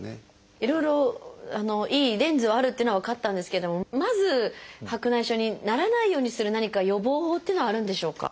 いろいろいいレンズがあるっていうのは分かったんですけどもまず白内障にならないようにする何か予防法というのはあるんでしょうか？